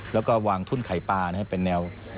แล้วก็วางทุ่นไข่ปลาให้เป็นแนว